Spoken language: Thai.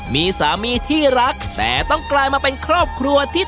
มีแม่อยู่แล้วแล้วก็มีเมียน้อยคนที่๑